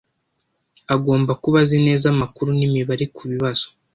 Agomba kuba azi neza amakuru n'imibare ku bibazo